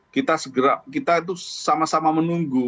kita itu sama sama menunggu